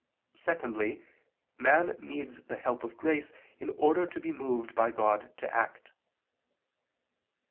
Secondly, man needs the help of grace in order to be moved by God to act.